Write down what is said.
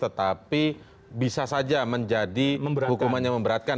tetapi bisa saja menjadi hukumannya memberatkan